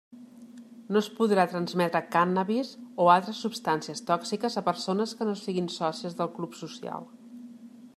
No es podrà transmetre cànnabis o altres substàncies tòxiques a persones que no siguin sòcies del Club social.